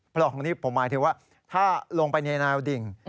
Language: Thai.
ลองนี้ผมหมายถึงว่าถ้าลงไปในแนวดิ่ง